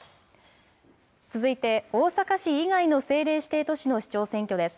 続いて、大阪市以外の政令指定都市の市長選挙です。